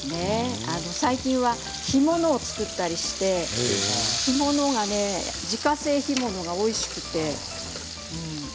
最近は干物を作ったりして自家製干物がおいしくて。